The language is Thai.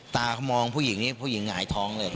ตาเขามองผู้หญิงนี้ผู้หญิงหงายท้องเลย